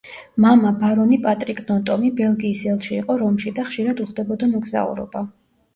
მამა, ბარონი პატრიკ ნოტომი, ბელგიის ელჩი იყო რომში და ხშირად უხდებოდა მოგზაურობა.